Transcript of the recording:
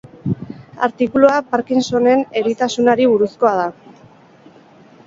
Artikulua Parkinsonen eritasunari buruzkoa da.